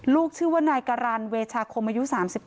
ลูกชื่อว่านายการรรณเวชาคมอายุ๓๘